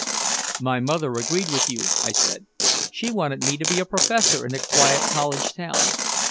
"My mother agreed with you," I said. "She wanted me to be a professor in a quiet college town."